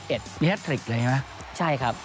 แบบนี้แฮททริกเลยใช่ไหมใช่ครับ